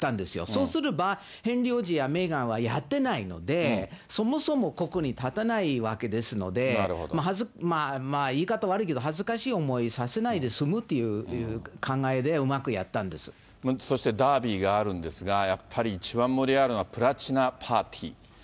そうすれば、ヘンリー王子やメーガンはやってないので、そもそもここに立たないわけですので、まあ、言い方悪いけど、恥ずかしい思いさせないで済むっていう考えで、うまくやったんでそしてダービーがあるんですが、やっぱり一番盛り上がるのはプラチナ・パーティー。